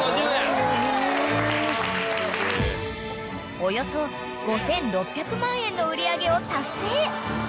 ［およそ５，６００万円の売り上げを達成］